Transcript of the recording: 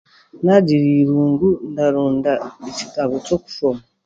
Naagira eirungu ndaronda ekitabo ky'okushoma